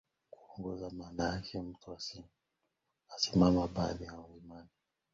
kuongoka Maana yake mtu asiye Mkristo anasikia habari za imani na